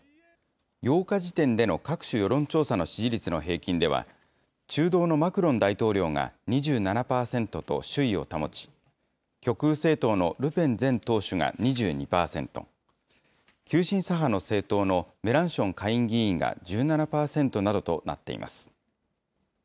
８日時点での各種世論調査の支持率の平均では、中道のマクロン大統領が２７％と首位を保ち、極右政党のルペン前党首が２２％、急進左派の政党のメランション下院議員が１７％などとなっています。